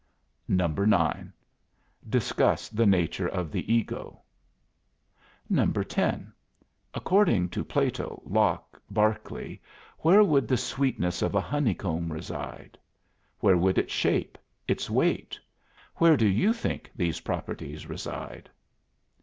9. Discuss the nature of the ego. 10. According to Plato, Locke, Berkeley, where would the sweetness of a honeycomb reside? Where would its shape? its weight? Where do you think these properties reside?